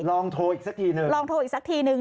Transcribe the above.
ลองโทรอีกสักทีหนึ่งลองโทรอีกสักทีนึง